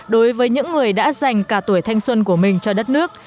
đối với những người đã dành cả tuổi thanh xuân của mình cho đất nước